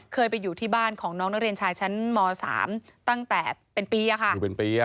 เคยไปอยู่ที่บ้านของน้องนักเรียนชายชั้นม๓ตั้งแต่เป็นปีอะค่ะ